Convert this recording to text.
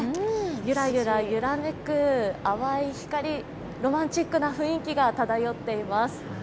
ゆらゆら揺らめく淡い光、ロマンチックな雰囲気が漂っています。